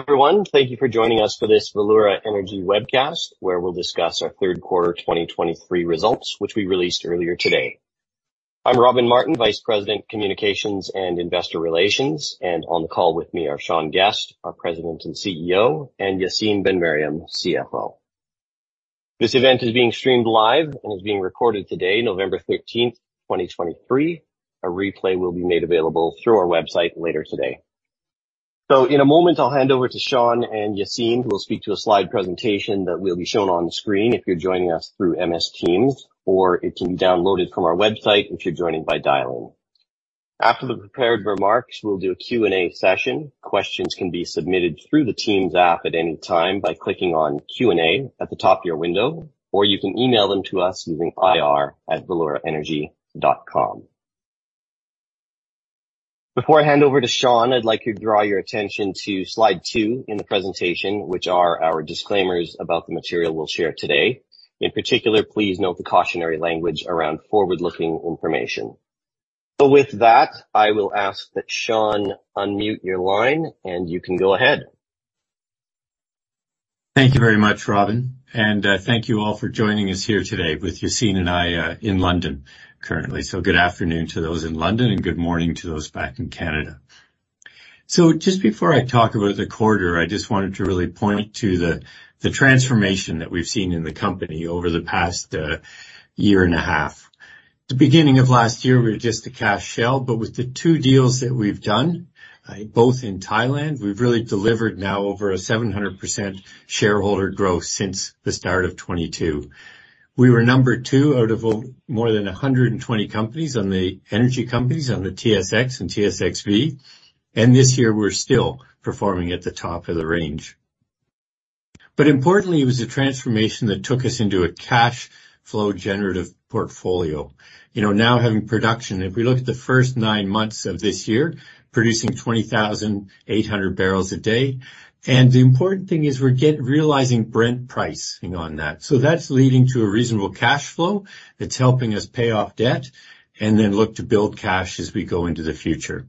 Hey, everyone. Thank you for joining us for this Valeura Energy webcast, where we'll discuss our third quarter 2023 results, which we released earlier today. I'm Robin Martin, Vice President, Communications and Investor Relations, and on the call with me are Sean Guest, our President and CEO, and Yacine Ben-Meriem, CFO. This event is being streamed live and is being recorded today, November 13th, 2023. A replay will be made available through our website later today. So in a moment, I'll hand over to Sean and Yacine, who will speak to a slide presentation that will be shown on the screen if you're joining us through MS Teams, or it can be downloaded from our website if you're joining by dial-in. After the prepared remarks, we'll do a Q&A session. Questions can be submitted through the Teams app at any time by clicking on Q&A at the top of your window, or you can email them to us using IR@valeuraenergy.com. Before I hand over to Sean, I'd like to draw your attention to slide two in the presentation, which are our disclaimers about the material we'll share today. In particular, please note the cautionary language around forward-looking information. So with that, I will ask that Sean unmute your line, and you can go ahead. Thank you very much, Robin, and thank you all for joining us here today with Yacine and I in London currently. Good afternoon to those in London and good morning to those back in Canada. Just before I talk about the quarter, I just wanted to really point to the transformation that we've seen in the company over the past year and a half. The beginning of last year, we were just a cash shell, but with the two deals that we've done, both in Thailand, we've really delivered now over 700% shareholder growth since the start of 2022. We were number two out of over more than 120 companies on the energy companies on the TSX and TSXV, and this year we're still performing at the top of the range. But importantly, it was a transformation that took us into a cash flow generative portfolio. You know, now having production, if we look at the first nine months of this year, producing 20,800 barrels a day, and the important thing is we're realizing Brent pricing on that. So that's leading to a reasonable cash flow that's helping us pay off debt and then look to build cash as we go into the future.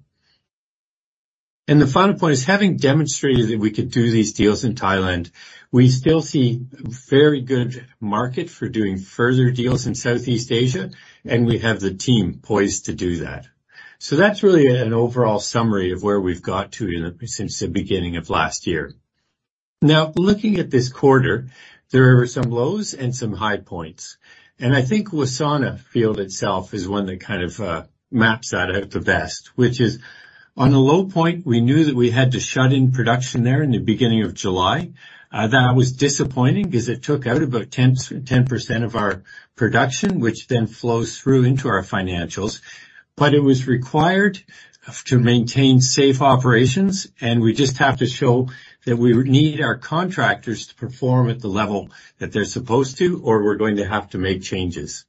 The final point is, having demonstrated that we could do these deals in Thailand, we still see very good market for doing further deals in Southeast Asia, and we have the team poised to do that. So that's really an overall summary of where we've got to since the beginning of last year. Now, looking at this quarter, there were some lows and some high points, and I think Wassana field itself is one that kind of maps that out the best, which is on the low point, we knew that we had to shut in production there in the beginning of July. That was disappointing because it took out about 10% of our production, which then flows through into our financials. But it was required to maintain safe operations, and we just have to show that we need our contractors to perform at the level that they're supposed to, or we're going to have to make changes.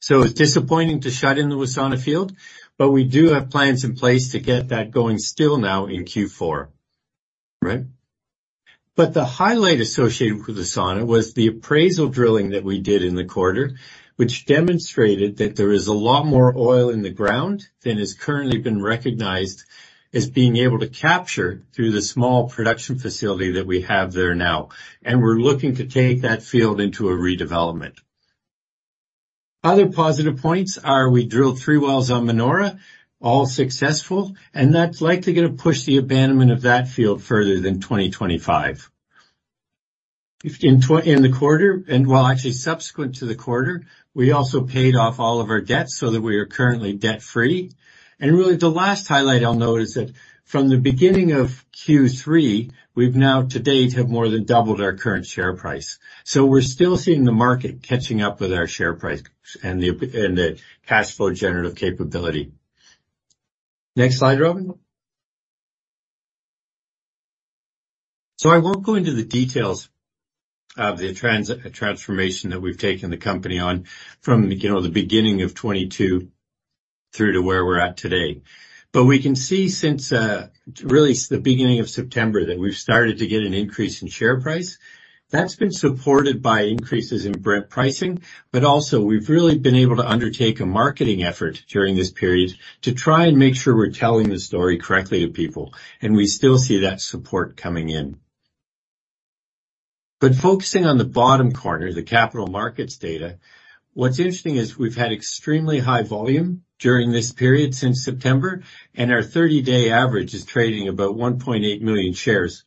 So it's disappointing to shut in the Wassana field, but we do have plans in place to get that going still now in Q4. Right? But the highlight associated with Wassana was the appraisal drilling that we did in the quarter, which demonstrated that there is a lot more oil in the ground than is currently been recognized as being able to capture through the small production facility that we have there now, and we're looking to take that field into a redevelopment. Other positive points are we drilled three wells on Manora, all successful, and that's likely gonna push the abandonment of that field further than 2025. In the quarter, and well, actually subsequent to the quarter, we also paid off all of our debts so that we are currently debt-free. And really, the last highlight I'll note is that from the beginning of Q3, we've now to date, have more than doubled our current share price. So we're still seeing the market catching up with our share price and the cash flow generative capability. Next slide, Robin. So I won't go into the details of the transformation that we've taken the company on from, you know, the beginning of 2022 through to where we're at today. But we can see since, really the beginning of September, that we've started to get an increase in share price. That's been supported by increases in Brent pricing, but also we've really been able to undertake a marketing effort during this period to try and make sure we're telling the story correctly to people, and we still see that support coming in. But focusing on the bottom corner, the capital markets data, what's interesting is we've had extremely high volume during this period since September, and our 30-day average is trading about 1.8 million shares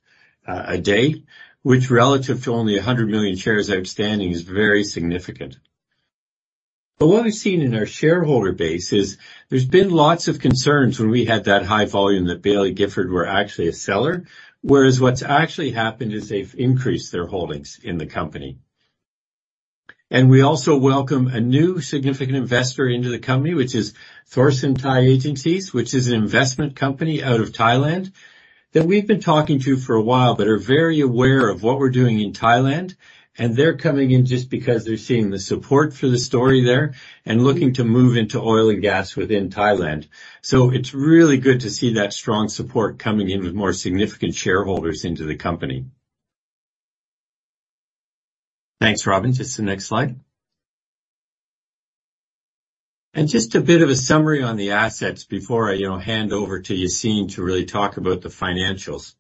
a day, which, relative to only 100 million shares outstanding, is very significant. But what we've seen in our shareholder base is there's been lots of concerns when we had that high volume, that Baillie Gifford were actually a seller, whereas what's actually happened is they've increased their holdings in the company. And we also welcome a new significant investor into the company, which is Thoresen Thai Agencies, which is an investment company out of Thailand that we've been talking to for a while but are very aware of what we're doing in Thailand, and they're coming in just because they're seeing the support for the story there and looking to move into oil and gas within Thailand. So it's really good to see that strong support coming in with more significant shareholders into the company. Thanks, Robin. Just the next slide. And just a bit of a summary on the assets before I, you know, hand over to Yacine to really talk about the financials.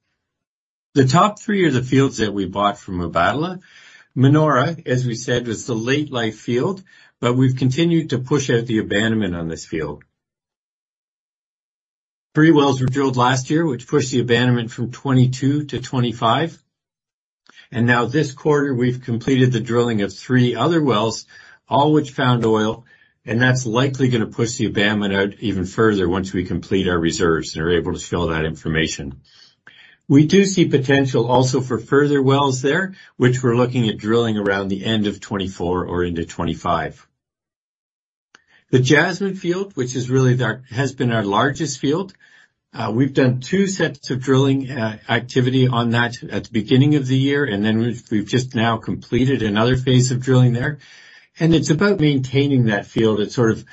The top three are the fields that we bought from Mubadala. Manora, as we said, was the late-life field, but we've continued to push out the abandonment on this field. Three wells were drilled last year, which pushed the abandonment from 2022 to 2025, and now this quarter, we've completed the drilling of three other wells, all which found oil, and that's likely gonna push the abandonment out even further once we complete our reserves and are able to fill that information. We do see potential also for further wells there, which we're looking at drilling around the end of 2024 or into 2025. The Jasmine field, which is really our—has been our largest field, we've done two sets of drilling activity on that at the beginning of the year, and then we've just now completed another phase of drilling there. And it's about maintaining that field. It's sort of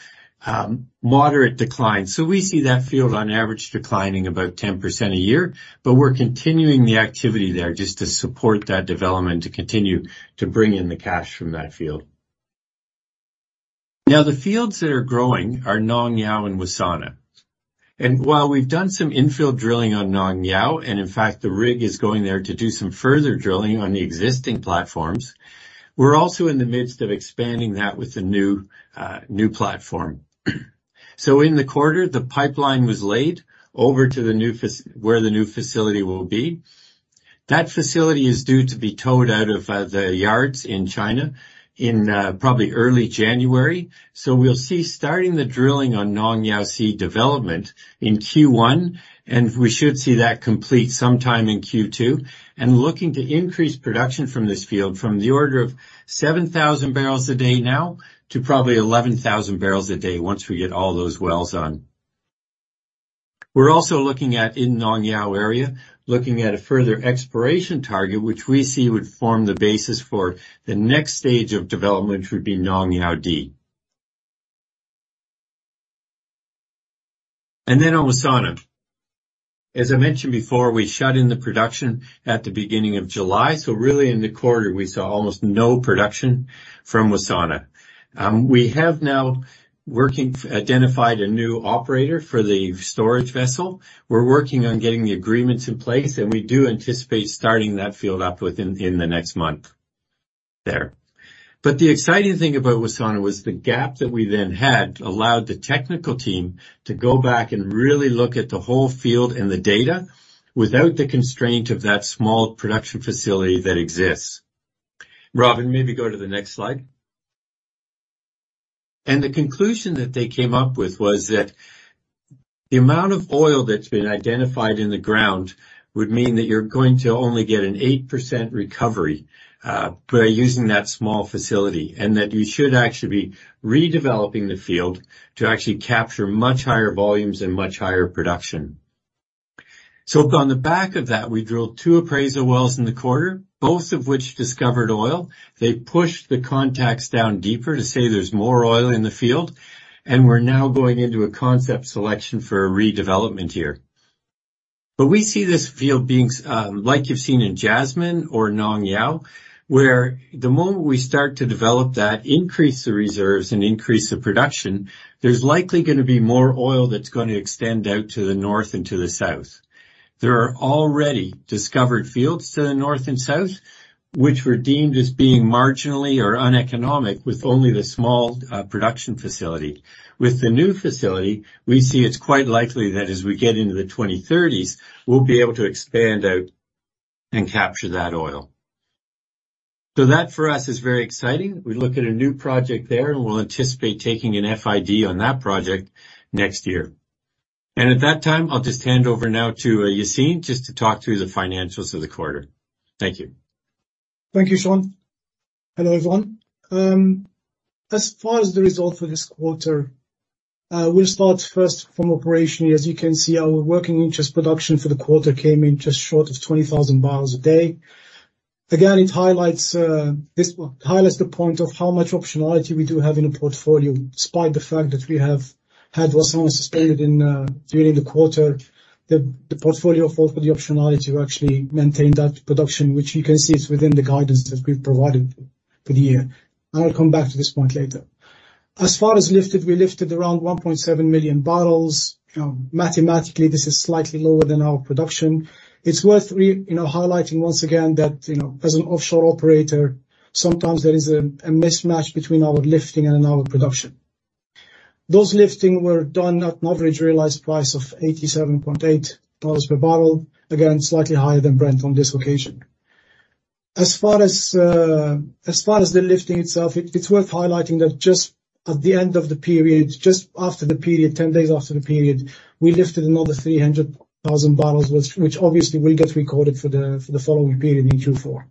moderate decline. So we see that field on average declining about 10% a year, but we're continuing the activity there just to support that development, to continue to bring in the cash from that field. Now, the fields that are growing are Nong Yao and Wassana. And while we've done some infill drilling on Nong Yao, and in fact, the rig is going there to do some further drilling on the existing platforms, we're also in the midst of expanding that with the new, new platform. So in the quarter, the pipeline was laid over to the new facility where the new facility will be. That facility is due to be towed out of the yards in China in probably early January. So we'll see starting the drilling on Nong Yao C development in Q1, and we should see that complete sometime in Q2, and looking to increase production from this field from the order of 7,000 barrels a day now to probably 11,000 barrels a day once we get all those wells on. We're also looking at, in Nong Yao area, looking at a further exploration target, which we see would form the basis for the next stage of development, which would be Nong Yao D. And then on Wassana. As I mentioned before, we shut in the production at the beginning of July, so really in the quarter, we saw almost no production from Wassana. We have now identified a new operator for the storage vessel. We're working on getting the agreements in place, and we do anticipate starting that field up within the next month there. But the exciting thing about Wassana was the gap that we then had allowed the technical team to go back and really look at the whole field and the data without the constraint of that small production facility that exists. Robin, maybe go to the next slide. And the conclusion that they came up with was that the amount of oil that's been identified in the ground would mean that you're going to only get an 8% recovery by using that small facility, and that you should actually be redeveloping the field to actually capture much higher volumes and much higher production. So on the back of that, we drilled two appraisal wells in the quarter, both of which discovered oil. They pushed the contacts down deeper to say there's more oil in the field, and we're now going into a concept selection for a redevelopment here. But we see this field being, like you've seen in Jasmine or Nong Yao, where the moment we start to develop that, increase the reserves and increase the production, there's likely gonna be more oil that's going to extend out to the north and to the south. There are already discovered fields to the north and south, which were deemed as being marginally or uneconomic, with only the small, production facility. With the new facility, we see it's quite likely that as we get into the 2030s, we'll be able to expand out and capture that oil. So that, for us, is very exciting. We look at a new project there, and we'll anticipate taking an FID on that project next year. At that time, I'll just hand over now to Yacine, just to talk through the financials of the quarter. Thank you. Thank you, Sean. Hello, everyone. As far as the result for this quarter, we'll start first from operation. As you can see, our working interest production for the quarter came in just short of 20,000 barrels a day. Again, it highlights, this one highlights the point of how much optionality we do have in the portfolio. Despite the fact that we have had Wassana suspended in, during the quarter, the portfolio for the optionality will actually maintain that production, which you can see is within the guidance that we've provided for the year, and I'll come back to this point later. As far as lifted, we lifted around 1.7 million barrels. Mathematically, this is slightly lower than our production. It's worth, you know, highlighting once again that, you know, as an offshore operator, sometimes there is a mismatch between our lifting and our production. Those lifting were done at an average realized price of $87.8 per barrel. Again, slightly higher than Brent on this occasion. As far as the lifting itself, it's worth highlighting that just at the end of the period, just after the period, 10 days after the period, we lifted another 300,000 barrels, which obviously will get recorded for the following period in Q4.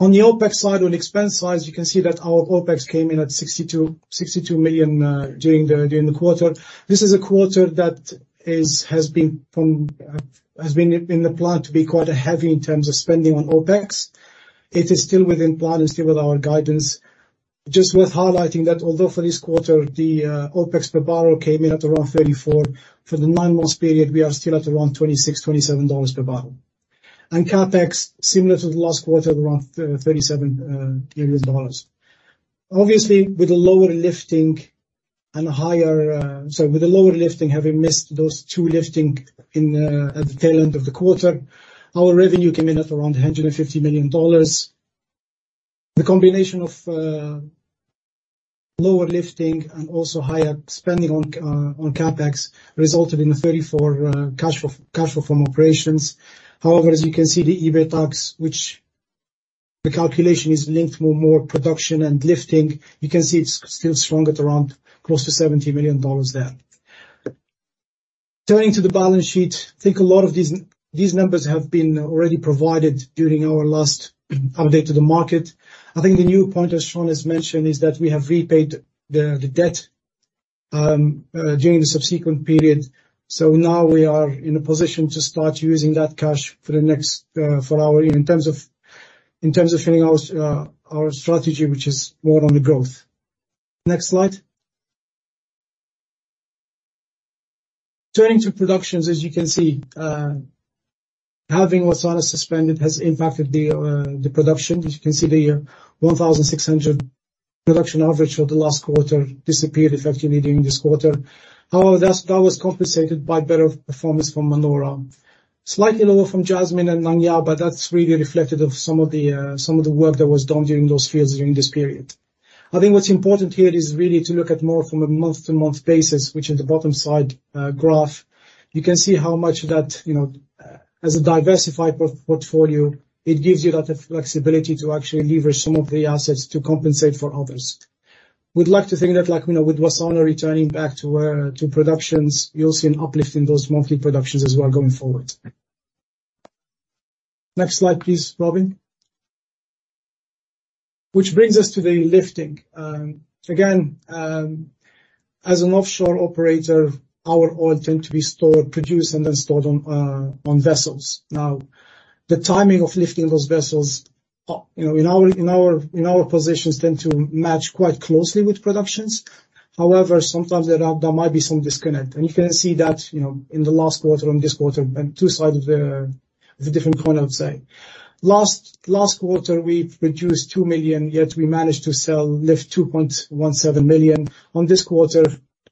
On the OpEx side, on expense side, you can see that our OpEx came in at $62 million during the quarter. This is a quarter that has been in the plan to be quite heavy in terms of spending on OpEx. It is still within plan and still with our guidance. Just worth highlighting that although for this quarter, the OpEx per barrel came in at around $34, for the nine-month period, we are still at around $26-$27 per barrel. And CapEx, similar to the last quarter, around $37 million. Obviously, with a lower lifting and higher... So with the lower lifting, having missed those two liftings in at the tail end of the quarter, our revenue came in at around $150 million. The combination of lower lifting and also higher spending on CapEx resulted in a $34 cash flow from operations. However, as you can see, the EBITDAX, which the calculation is linked more and more production and lifting, you can see it's still strong at around close to $70 million there. Turning to the balance sheet. I think a lot of these, these numbers have been already provided during our last update to the market. I think the new point, as Sean has mentioned, is that we have repaid the, the debt, during the subsequent period, so now we are in a position to start using that cash for the next, for our... In terms of, in terms of filling our, our strategy, which is more on the growth. Next slide. Turning to productions. As you can see, having Wassana suspended has impacted the, the production. As you can see, the 1,600 production average for the last quarter disappeared effectively during this quarter. However, that, that was compensated by better performance from Manora. Slightly lower from Jasmine and Nong Yao, but that's really reflected of some of the, some of the work that was done during those fields during this period. I think what's important here is really to look at more from a month-to-month basis, which in the bottom side graph, you can see how much that, you know, as a diversified portfolio, it gives you that flexibility to actually leverage some of the assets to compensate for others. We'd like to think that, like, you know, with Wassana returning back to to productions, you'll see an uplift in those monthly productions as well going forward. Next slide, please, Robin, which brings us to the lifting. Again, as an offshore operator, our oil tend to be stored, produced, and then stored on vessels. Now, the timing of lifting those vessels, you know, in our positions, tend to match quite closely with productions. However, sometimes there might be some disconnect, and you can see that, you know, in the last quarter, in this quarter, and two sides of a different coin, I would say. Last quarter, we produced 2 million, yet we managed to sell, lift 2.17 million. In this quarter,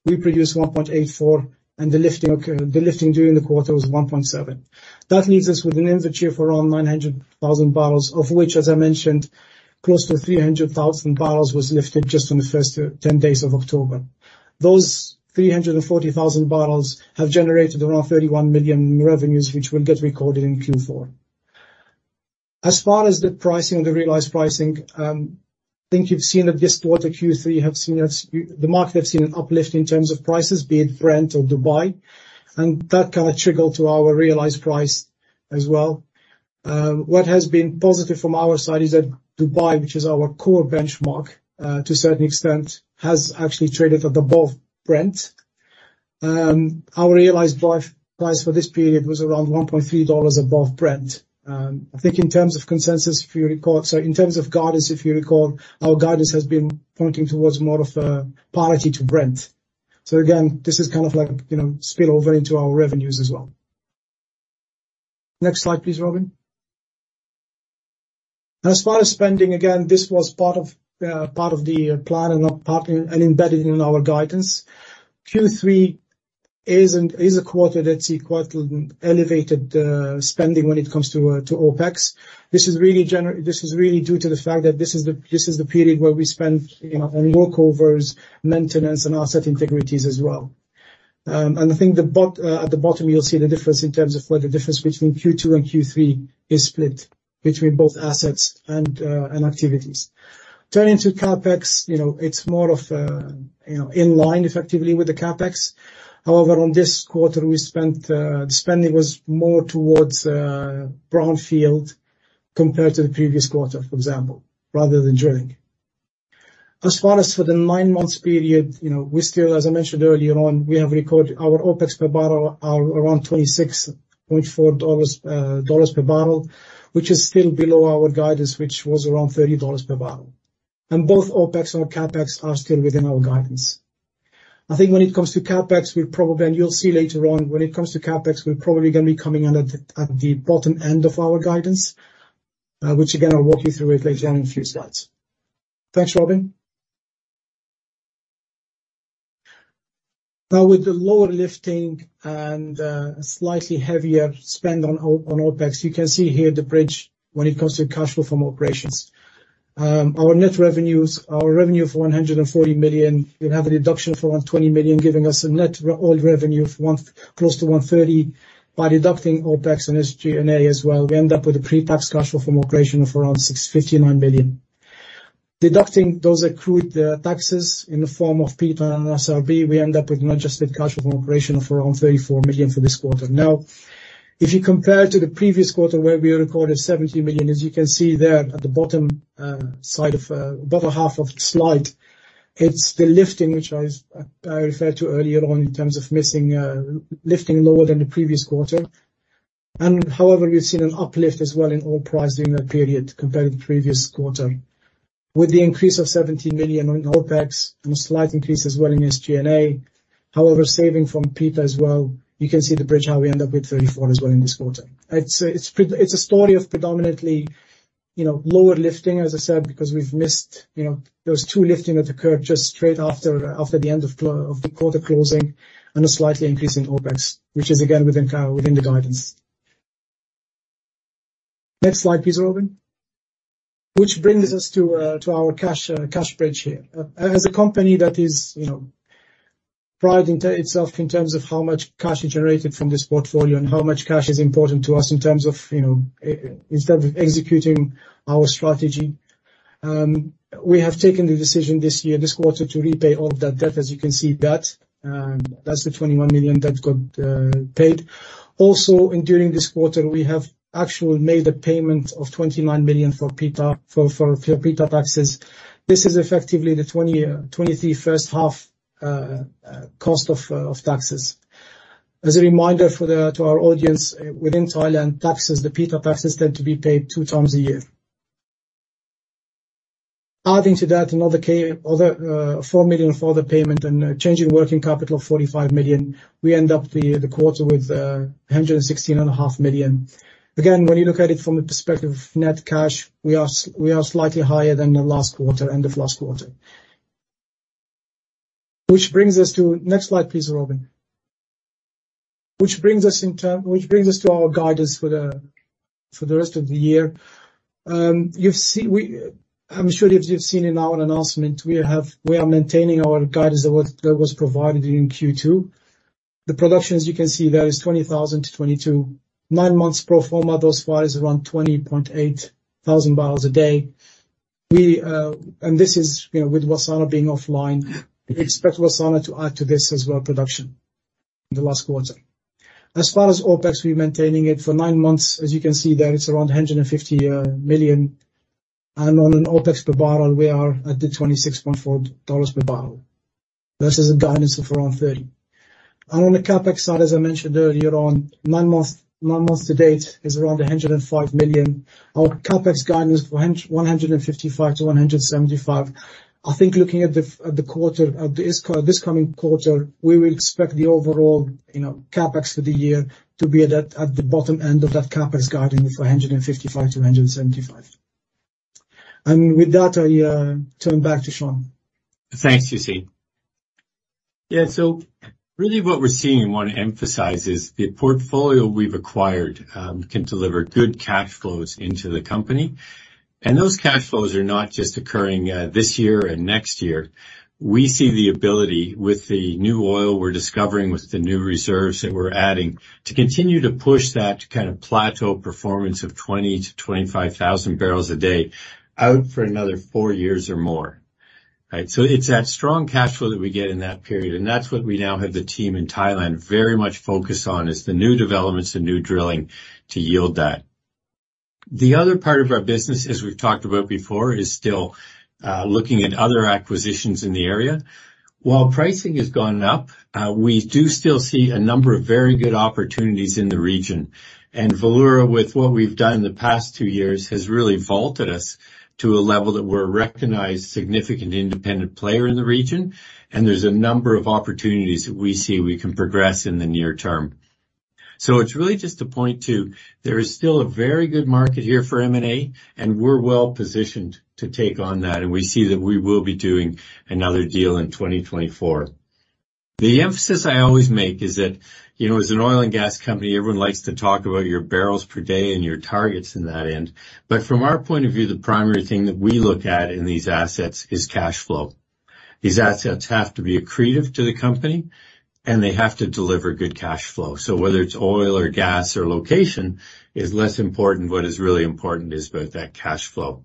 we produced 1.84, and the lifting during the quarter was 1.7. That leaves us with an inventory of around 900,000 barrels, of which, as I mentioned, close to 300,000 barrels was lifted just in the first 10 days of October. Those 340,000 barrels have generated around $31 million in revenues, which will get recorded in Q4. As far as the pricing, the realized pricing, I think you've seen that this quarter, Q3, you have seen us, you... The market have seen an uplift in terms of prices, be it Brent or Dubai, and that kinda trickled to our realized price as well. What has been positive from our side is that Dubai, which is our core benchmark, to a certain extent, has actually traded at above Brent. Our realized price, price for this period was around $1.3 above Brent. I think in terms of consensus, if you recall, so in terms of guidance, if you recall, our guidance has been pointing towards more of a parity to Brent. So again, this is kind of like, you know, spill over into our revenues as well. Next slide, please, Robin. As far as spending, again, this was part of the plan and embedded in our guidance. Q3 is a quarter that see quite elevated spending when it comes to OpEx. This is really due to the fact that this is the period where we spend, you know, on workovers, maintenance, and asset integrities as well. And I think at the bottom, you'll see the difference in terms of where the difference between Q2 and Q3 is split between both assets and activities. Turning to CapEx. You know, it's more of, you know, in line effectively with the CapEx. However, on this quarter, we spent, the spending was more towards, brownfield compared to the previous quarter, for example, rather than drilling. As far as for the nine months period, you know, we still, as I mentioned earlier on, we have recorded our OpEx per barrel are around $26.4 dollars per barrel, which is still below our guidance, which was around $30 per barrel, and both OpEx and CapEx are still within our guidance. I think when it comes to CapEx, we'll probably... You'll see later on, when it comes to CapEx, we're probably gonna be coming in at the bottom end of our guidance, which again, I'll walk you through it later on in a few slides. Thanks, Robin. Now, with the lower lifting and slightly heavier spend on OpEx, you can see here the bridge when it comes to cash flow from operations. Our net revenues, our revenue for $140 million, you have a deduction for $120 million, giving us a net oil revenue of close to $130 million. By deducting OpEx and SG&A as well, we end up with a pre-tax cash flow from operation of around $69 million. Deducting those accrued taxes in the form of PITA and SRB, we end up with adjusted cash flow from operation of around $34 million for this quarter. Now, if you compare to the previous quarter, where we recorded $17 million, as you can see there at the bottom side of bottom half of the slide, it's the lifting, which I referred to earlier on in terms of missing lifting lower than the previous quarter. However, we've seen an uplift as well in oil price during that period compared to the previous quarter. With the increase of $70 million in OpEx and a slight increase as well in SG&A, however, saving from PITA as well, you can see the bridge, how we end up with $34 million as well in this quarter. It's, it's pre- it's a story of predominantly, you know, lower lifting, as I said, because we've missed, you know, those two lifting that occurred just straight after, after the end of of the quarter closing and a slightly increase in OpEx, which is again, within kind within the guidance. Next slide, please, Robin. Which brings us to, to our cash, cash bridge here. As a company that is, you know, priding to itself in terms of how much cash is generated from this portfolio and how much cash is important to us in terms of, you know, instead of executing our strategy, we have taken the decision this year, this quarter, to repay all of that debt. As you can see, that's the $21 million that got paid. Also, during this quarter, we have actually made a payment of $29 million for PITA, for PITA taxes. This is effectively the 2023 first half cost of taxes. As a reminder to our audience, within Thailand, the PITA taxes tend to be paid 2x a year. Adding to that, another other $4 million for the payment and a change in working capital of $45 million, we end up the quarter with $116.5 million. Again, when you look at it from a perspective of net cash, we are slightly higher than the end of last quarter. Which brings us to... Next slide, please, Robin. Which brings us to our guidance for the rest of the year. I'm sure you've seen in our announcement, we are maintaining our guidance that was provided in Q2. The production, as you can see there, is 20,000-22,000. Nine months pro forma, those fields, around 20,800 barrels a day. We and this is, you know, with Wassana being offline, we expect Wassana to add to this as well, production in the last quarter. As far as OpEx, we're maintaining it for nine months. As you can see there, it's around $150 million, and on an OpEx per barrel, we are at the $26.4 per barrel. This is a guidance of around $30. And on the CapEx side, as I mentioned earlier on, nine months, nine months to date is around $105 million. Our CapEx guidance for $155 million-$175 million. I think looking at the quarter, at this coming quarter, we will expect the overall, you know, CapEx for the year to be at that, at the bottom end of that CapEx guidance for $155 million-$175 million. With that, I turn back to Sean. Thanks, Yacine. Yeah, so really what we're seeing and want to emphasize is the portfolio we've acquired, can deliver good cash flows into the company, and those cash flows are not just occurring, this year and next year. We see the ability with the new oil we're discovering, with the new reserves that we're adding, to continue to push that kind of plateau performance of 20,000-25,000 barrels a day out for another four years or more. Right? So it's that strong cash flow that we get in that period, and that's what we now have the team in Thailand very much focused on, is the new developments and new drilling to yield that. The other part of our business, as we've talked about before, is still, looking at other acquisitions in the area. While pricing has gone up, we do still see a number of very good opportunities in the region, and Valeura, with what we've done in the past two years, has really vaulted us to a level that we're a recognized, significant, independent player in the region, and there's a number of opportunities that we see we can progress in the near term. So it's really just to point to, there is still a very good market here for M&A, and we're well positioned to take on that, and we see that we will be doing another deal in 2024. The emphasis I always make is that, you know, as an oil and gas company, everyone likes to talk about your barrels per day and your targets in that end. But from our point of view, the primary thing that we look at in these assets is cash flow. These assets have to be accretive to the company, and they have to deliver good cash flow. So whether it's oil or gas or location is less important. What is really important is about that cash flow.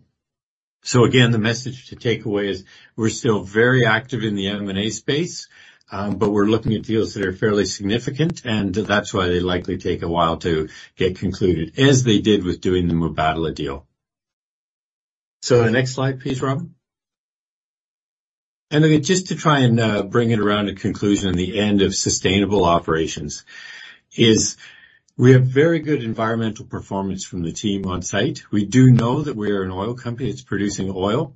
So again, the message to take away is we're still very active in the M&A space, but we're looking at deals that are fairly significant, and that's why they likely take a while to get concluded, as they did with doing the Mubadala deal. So the next slide, please, Robin. And again, just to try and bring it around to conclusion, the end of sustainable operations is we have very good environmental performance from the team on site. We do know that we are an oil company that's producing oil,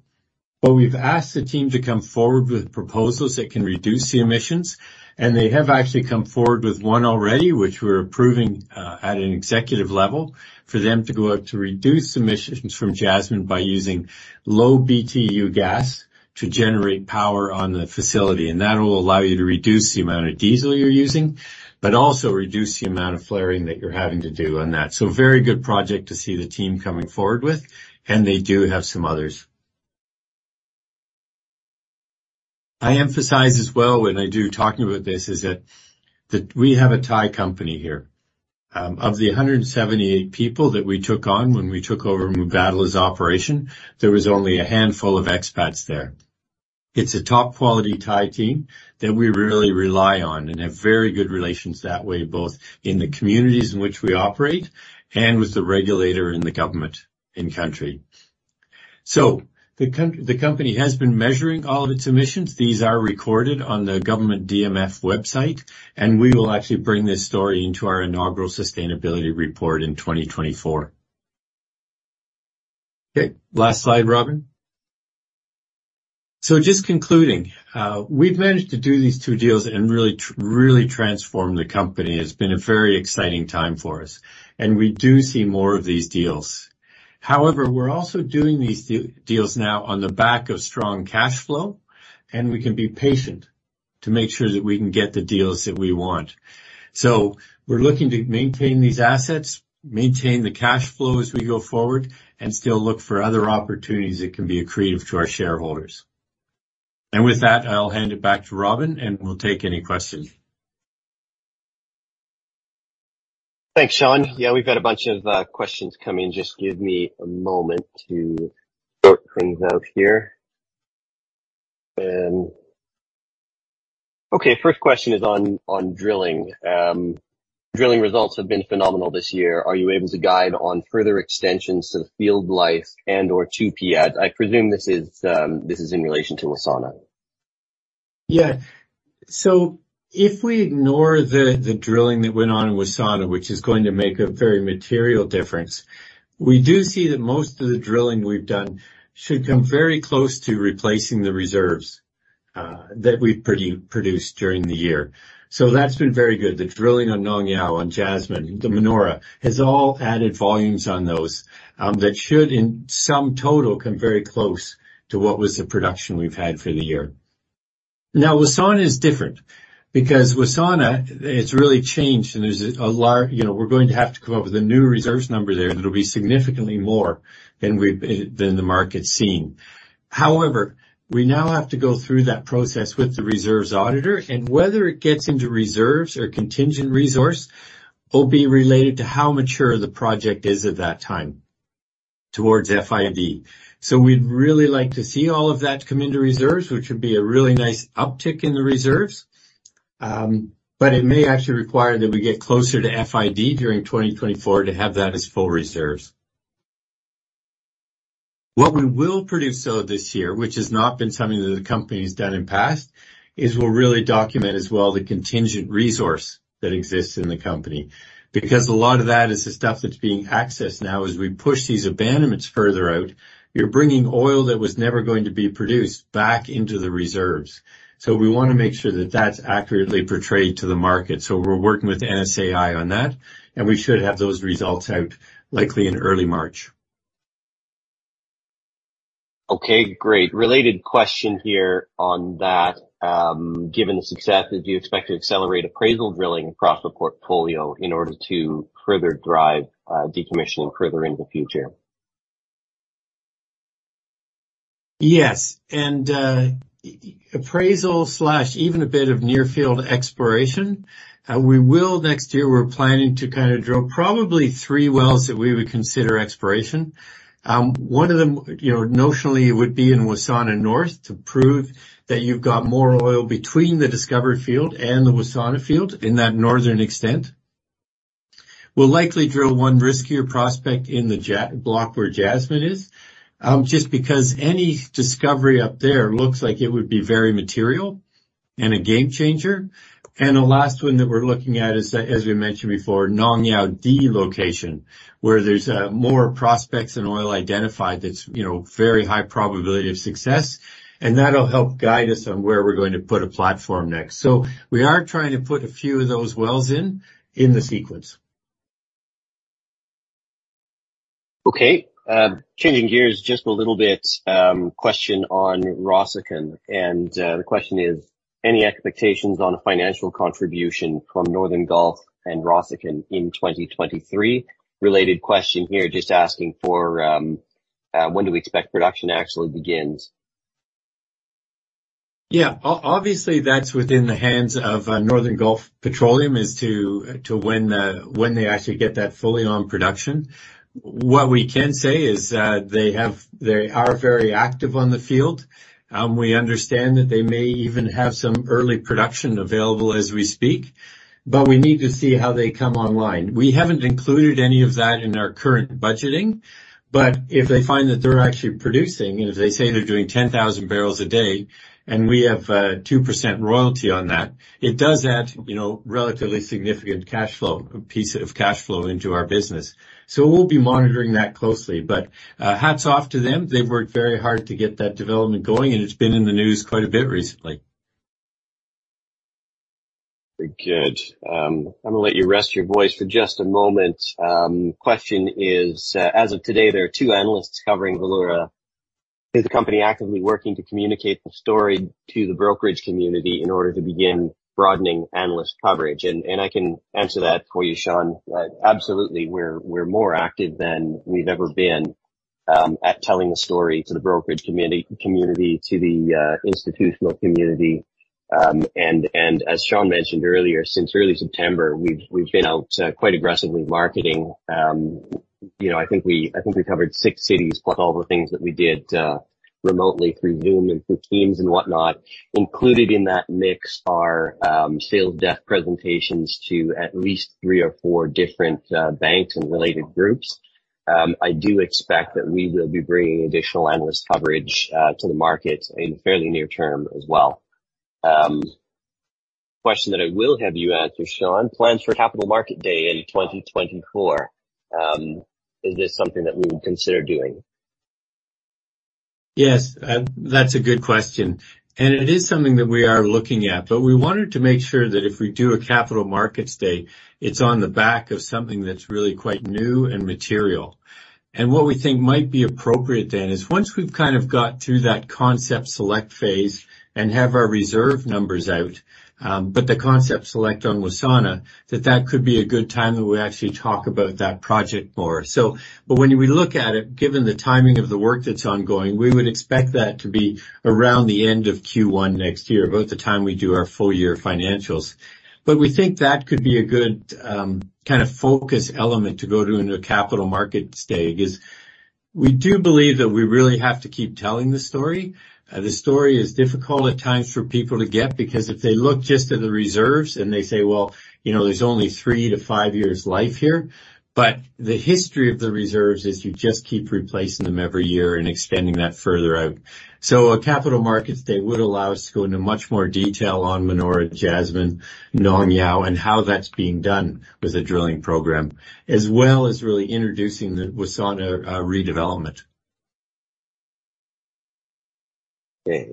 but we've asked the team to come forward with proposals that can reduce the emissions, and they have actually come forward with one already, which we're approving at an executive level, for them to go out to reduce emissions from Jasmine by using low BTU gas to generate power on the facility. And that will allow you to reduce the amount of diesel you're using, but also reduce the amount of flaring that you're having to do on that. So very good project to see the team coming forward with, and they do have some others. I emphasize as well when I do talking about this, is that we have a Thai company here. Of the 178 people that we took on when we took over Mubadala's operation, there was only a handful of expats there. It's a top-quality Thai team that we really rely on and have very good relations that way, both in the communities in which we operate and with the regulator and the government in country. So the company has been measuring all of its emissions. These are recorded on the government DMF website, and we will actually bring this story into our inaugural Sustainability Report in 2024. Okay, last slide, Robin. So just concluding, we've managed to do these two deals and really, really transform the company. It's been a very exciting time for us, and we do see more of these deals. However, we're also doing these deals now on the back of strong cash flow, and we can be patient to make sure that we can get the deals that we want. So we're looking to maintain these assets, maintain the cash flow as we go forward, and still look for other opportunities that can be accretive to our shareholders. And with that, I'll hand it back to Robin, and we'll take any questions. Thanks, Sean. Yeah, we've got a bunch of questions coming. Just give me a moment to sort things out here. Okay, first question is on drilling. Drilling results have been phenomenal this year. Are you able to guide on further extensions to the field life and/or 2P add? I presume this is, this is in relation to Wassana. Yeah. So if we ignore the drilling that went on in Wassana, which is going to make a very material difference, we do see that most of the drilling we've done should come very close to replacing the reserves that we've produced during the year. So that's been very good. The drilling on Nong Yao, on Jasmine, the Manora, has all added volumes on those that should, in some total, come very close to what was the production we've had for the year. Now, Wassana is different because Wassana, it's really changed, and there's a large you know, we're going to have to come up with a new reserves number there, that'll be significantly more than we've than the market's seen. However, we now have to go through that process with the reserves auditor, and whether it gets into reserves or contingent resource will be related to how mature the project is at that time towards FID. So we'd really like to see all of that come into reserves, which would be a really nice uptick in the reserves. But it may actually require that we get closer to FID during 2024 to have that as full reserves. What we will produce, though, this year, which has not been something that the company's done in past, is we'll really document as well the contingent resource that exists in the company because a lot of that is the stuff that's being accessed now. As we push these abandonments further out, you're bringing oil that was never going to be produced back into the reserves. We wanna make sure that that's accurately portrayed to the market. We're working with NSAI on that, and we should have those results out likely in early March. Okay, great. Related question here on that. Given the success, do you expect to accelerate appraisal drilling across the portfolio in order to further drive decommissioning further into the future? Yes, and, appraisal slash even a bit of near-field exploration, we will next year. We're planning to kind of drill probably three wells that we would consider exploration. One of them, you know, notionally would be in Wassana North to prove that you've got more oil between the discovery field and the Wassana field in that northern extent. We'll likely drill one riskier prospect in the Ja Block, where Jasmine is, just because any discovery up there looks like it would be very material and a game changer. And the last one that we're looking at is, as we mentioned before, Nong Yao D location, where there's more prospects and oil identified that's, you know, very high probability of success, and that'll help guide us on where we're going to put a platform next. We are trying to put a few of those wells in, in the sequence. Okay. Changing gears just a little bit, question on Rossukon, and, the question is: Any expectations on a financial contribution from Northern Gulf and Rossukon in 2023? Related question here, just asking for, when do we expect production actually begins? Yeah. Obviously, that's within the hands of Northern Gulf Petroleum as to when they actually get that fully on production. What we can say is that they have. They are very active on the field. We understand that they may even have some early production available as we speak, but we need to see how they come online. We haven't included any of that in our current budgeting, but if they find that they're actually producing, if they say they're doing 10,000 barrels a day and we have 2% royalty on that, it does add, you know, relatively significant cash flow, piece of cash flow into our business. So we'll be monitoring that closely, but hats off to them. They've worked very hard to get that development going, and it's been in the news quite a bit recently. Very good. I'm gonna let you rest your voice for just a moment. Question is, as of today, there are two analysts covering Valeura. Is the company actively working to communicate the story to the brokerage community in order to begin broadening analyst coverage? I can answer that for you, Sean. Absolutely, we're more active than we've ever been at telling the story to the brokerage community to the institutional community. As Sean mentioned earlier, since early September, we've been out quite aggressively marketing. You know, I think we covered six cities, plus all the things that we did remotely through Zoom and through Teams and whatnot. Included in that mix are sales deck presentations to at least three or four different banks and related groups. I do expect that we will be bringing additional analyst coverage to the market in the fairly near term as well. Question that I will have you answer, Sean. Plans for Capital Markets Day in 2024, is this something that we would consider doing? Yes, and that's a good question, and it is something that we are looking at, but we wanted to make sure that if we do a Capital Markets Day, it's on the back of something that's really quite new and material. And what we think might be appropriate then is once we've kind of got to that concept select phase and have our reserve numbers out, but the concept select on Wassana, that that could be a good time that we actually talk about that project more. But when we look at it, given the timing of the work that's ongoing, we would expect that to be around the end of Q1 next year, about the time we do our full-year financials. But we think that could be a good, kind of focus element to go to in a Capital Markets Day, because we do believe that we really have to keep telling the story. The story is difficult at times for people to get, because if they look just at the reserves and they say, "Well, you know, there's only three to five years life here," but the history of the reserves is you just keep replacing them every year and extending that further out. So a Capital Markets Day would allow us to go into much more detail on Manora, Jasmine, Nong Yao, and how that's being done with the drilling program, as well as really introducing the Wassana redevelopment. Okay.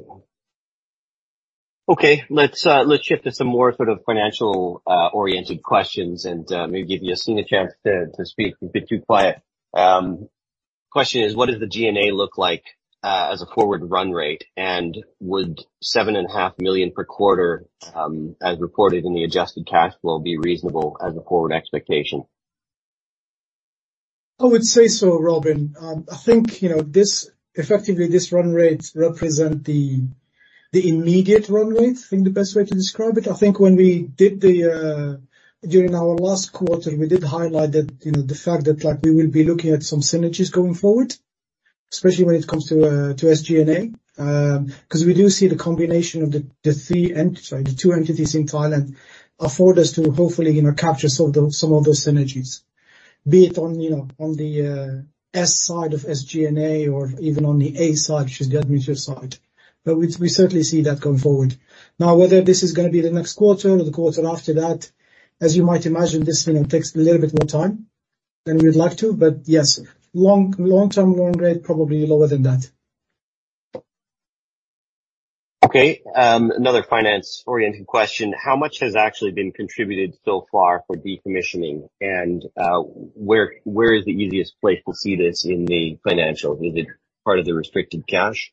Okay, let's shift to some more sort of financial-oriented questions and maybe give Yacine a chance to speak. You've been too quiet. Question is, what does the SG&A look like as a forward run rate? And would $7.5 million per quarter, as reported in the adjusted cash flow, be reasonable as a forward expectation? I would say so, Robin. I think, you know, this effectively, this run rate represent the, the immediate run rate, I think the best way to describe it. I think when we did the... During our last quarter, we did highlight that, you know, the fact that, like, we will be looking at some synergies going forward, especially when it comes to, to SG&A. Because we do see the combination of the, the three ent-- sorry, the two entities in Thailand afford us to hopefully, you know, capture some of those, some of those synergies, be it on, you know, on the, S side of SG&A or even on the A side, which is the administrative side. But we, we certainly see that going forward. Now, whether this is gonna be the next quarter or the quarter after that, as you might imagine, this thing takes a little bit more time than we'd like to, but yes, long, long-term run rate, probably lower than that. Okay, another finance-oriented question: How much has actually been contributed so far for decommissioning, and where is the easiest place to see this in the financials? Is it part of the restricted cash?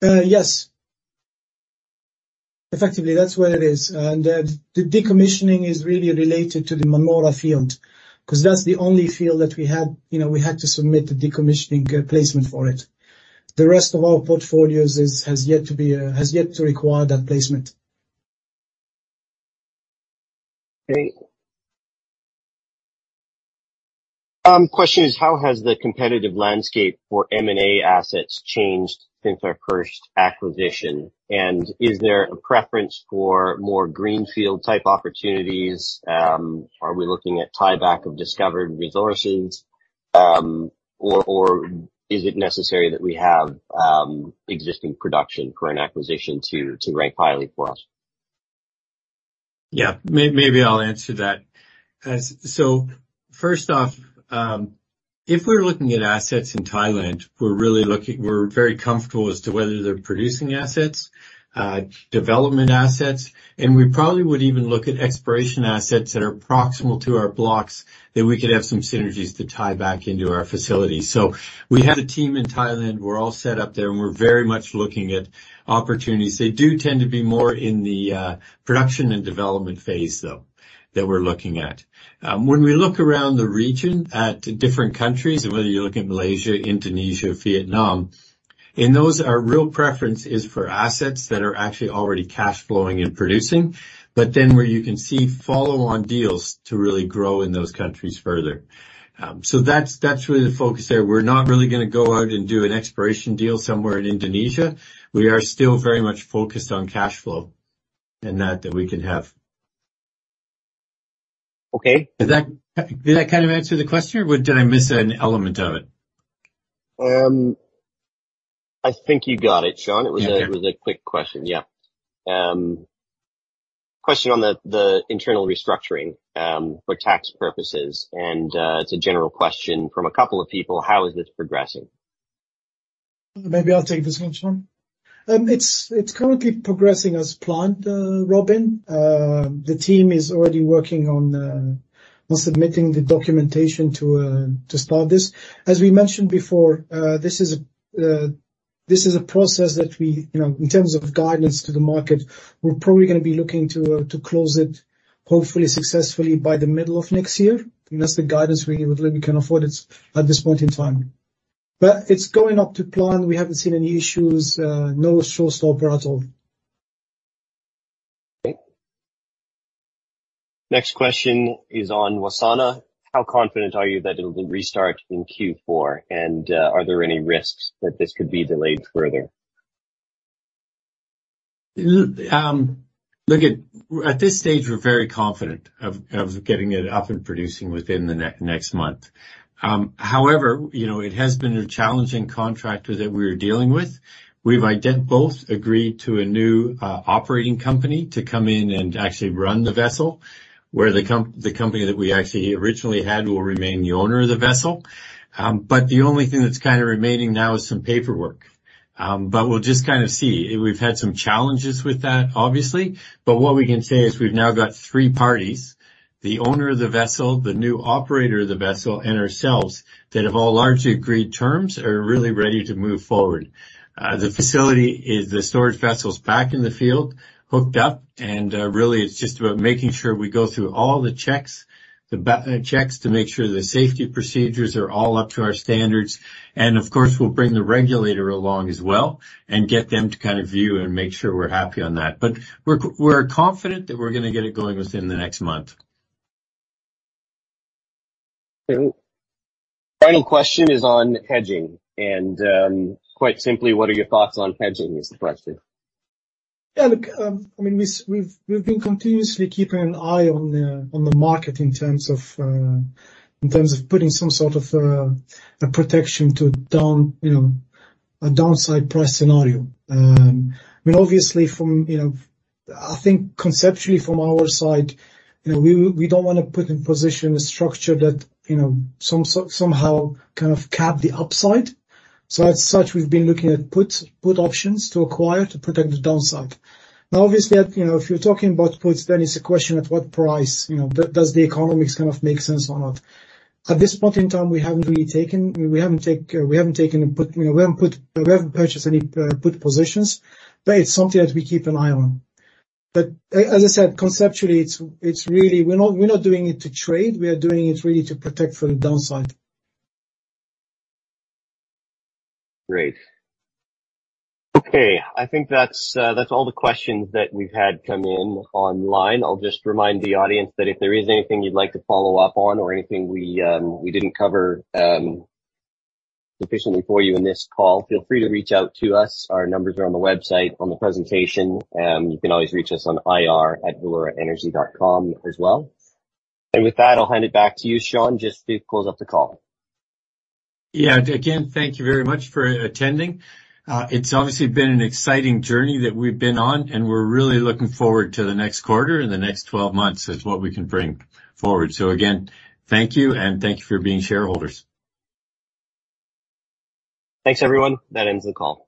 Yes. Effectively, that's where it is, and, the decommissioning is really related to the Manora field, 'cause that's the only field that we had you know, we had to submit the decommissioning placement for it. The rest of our portfolios is, has yet to be, has yet to require that placement. Great. Question is: How has the competitive landscape for M&A assets changed since our first acquisition? And is there a preference for more greenfield-type opportunities? Are we looking at tieback of discovered resources? Or is it necessary that we have existing production for an acquisition to rank highly for us? Yeah, maybe I'll answer that. So first off, if we're looking at assets in Thailand, we're really looking. We're very comfortable as to whether they're producing assets, development assets, and we probably would even look at exploration assets that are proximal to our blocks, that we could have some synergies to tie back into our facilities. So we have a team in Thailand. We're all set up there, and we're very much looking at opportunities. They do tend to be more in the production and development phase, though, that we're looking at. When we look around the region at different countries, and whether you're looking at Malaysia, Indonesia, Vietnam, in those, our real preference is for assets that are actually already cash flowing and producing, but then where you can see follow-on deals to really grow in those countries further. So that's really the focus there. We're not really gonna go out and do an exploration deal somewhere in Indonesia. We are still very much focused on cash flow and that we can have. Okay. Did that kind of answer the question, or did I miss an element of it? I think you got it, Sean. Okay. It was a quick question. Yeah. Question on the internal restructuring for tax purposes, and it's a general question from a couple of people: How is this progressing? Maybe I'll take this one, Sean. It's currently progressing as planned, Robin. The team is already working on submitting the documentation to start this. As we mentioned before, this is a process that we, you know, in terms of guidance to the market, we're probably gonna be looking to close it hopefully successfully by the middle of next year. And that's the guidance we can afford at this point in time. But it's going to plan. We haven't seen any issues, no showstopper at all. Next question is on Wassana. How confident are you that it'll be restart in Q4? And, are there any risks that this could be delayed further? Look, at this stage, we're very confident of getting it up and producing within the next month. However, you know, it has been a challenging contractor that we're dealing with. We've both agreed to a new operating company to come in and actually run the vessel, where the company that we actually originally had will remain the owner of the vessel. But the only thing that's kind of remaining now is some paperwork. But we'll just kind of see. We've had some challenges with that, obviously, but what we can say is we've now got three parties: the owner of the vessel, the new operator of the vessel, and ourselves, that have all largely agreed terms and are really ready to move forward. The facility is the storage vessel's back in the field, hooked up, and really, it's just about making sure we go through all the checks, the checks to make sure the safety procedures are all up to our standards. And of course, we'll bring the regulator along as well and get them to kind of view and make sure we're happy on that. But we're confident that we're gonna get it going within the next month. Final question is on hedging, and quite simply, what are your thoughts on hedging, is the question? Yeah. Look, I mean, we've been continuously keeping an eye on the market in terms of putting some sort of a protection to down, you know, a downside price scenario. I mean, obviously from, you know... I think conceptually from our side, you know, we don't wanna put in position a structure that, you know, somehow kind of cap the upside. So as such, we've been looking at put options to acquire to protect the downside. Now, obviously, you know, if you're talking about puts, then it's a question at what price, you know, does the economics kind of make sense or not? At this point in time, we haven't really taken... We haven't taken a put, you know, we haven't purchased any put positions, but it's something that we keep an eye on. But as I said, conceptually, it's really we're not doing it to trade. We are doing it really to protect from the downside. Great. Okay, I think that's all the questions that we've had come in online. I'll just remind the audience that if there is anything you'd like to follow up on or anything we didn't cover sufficiently for you in this call, feel free to reach out to us. Our numbers are on the website, on the presentation, you can always reach us on IR@valeuraenergy.com as well. And with that, I'll hand it back to you, Sean, just to close up the call. Yeah. Again, thank you very much for attending. It's obviously been an exciting journey that we've been on, and we're really looking forward to the next quarter and the next 12 months, is what we can bring forward. So again, thank you, and thank you for being shareholders. Thanks, everyone. That ends the call.